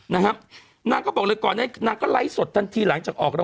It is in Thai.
นางก็บอกเลยก่อนนั้นนางก็ไลฟ์สดทันทีหลังจากออกแล้ว